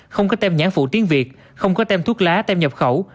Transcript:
không có tem nhãn phụ tiếng việt không có tem thuốc lá tem nhập khẩu